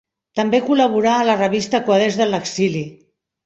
També col·laborà a la revista Quaderns de l'Exili.